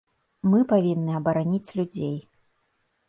Мы павінны абараніць людзей.